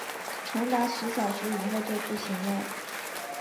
长达十小时以后就不行了